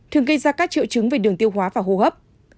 thường gây ra các triệu chứng về đường tiêu hóa và hô hấp